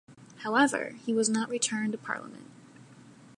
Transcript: However, he was not returned to Parliament.